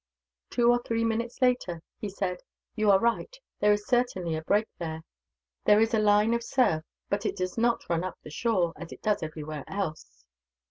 Two or three minutes later, he said: "You are right, there is certainly a break there. There is a line of surf, but it does not run up the shore, as it does everywhere else."